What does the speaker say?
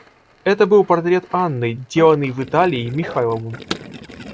Это был портрет Анны, деланный в Италии Михайловым.